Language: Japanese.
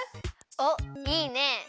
おっいいね！